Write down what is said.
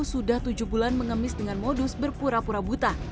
sudah tujuh bulan mengemis dengan modus berpura pura buta